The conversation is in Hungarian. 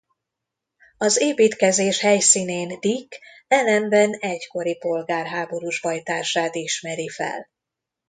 Az építkezés helyszínén Dick Allenben egykori polgárháborús bajtársát ismeri fel.